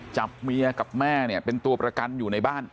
จับเมียกับแม่เนี่ยเป็นตัวประกันอยู่ในบ้าน